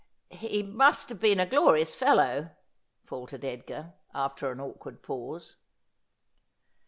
' He must have been a glorious fellow,' faltered Edgar, after an awkward pause.